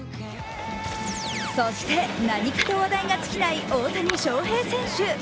そして、何かと話題が尽きない大谷翔平選手。